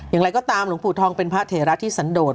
อย่างไรก็ตามหลวงปู่ทองเป็นพระเถระที่สันโดด